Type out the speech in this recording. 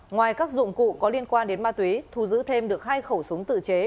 ngoài các dụng cụ có liên quan đến ma túy thu giữ thêm được hai khẩu súng tự chế